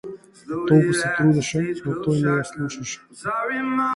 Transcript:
Толку се трудеше, но тој не ја слушаше.